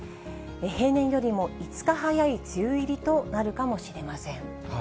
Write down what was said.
平年よりも５日早い梅雨入りとなるかもしれません。